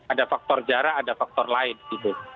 ada faktor jarak ada faktor lain gitu